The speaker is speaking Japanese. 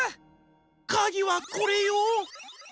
かぎはこれよ！